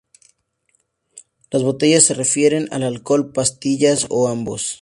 Las botellas se refieren al alcohol, pastillas o ambos.